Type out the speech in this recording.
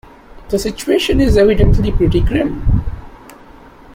The situation is evidently pretty grim.